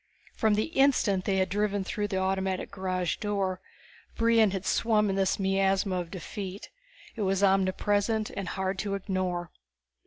From the instant they had driven through the automatic garage door, Brion had swum in this miasma of defeat. It was omnipresent and hard to ignore.